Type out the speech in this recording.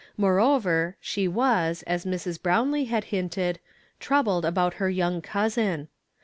Moreover, she was, as jNIrs. Brownlee had hinted, troubled about her young cousin.